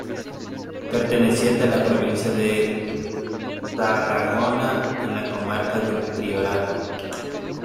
Perteneciente a la provincia de Tarragona, en la comarca del Priorato.